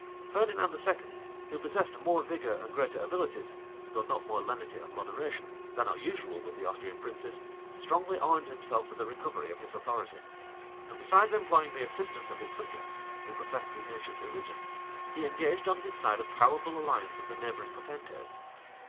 [*] {1619.} Ferdinand II., who possessed more vigor and greater abilities, though not more lenity and moderation, than are usual with the Austrian princes, strongly armed himself for the recovery of his authority; and besides employing the assistance of his subjects, who professed the ancient religion, he engaged on his side a powerful alliance of the neighboring potentates.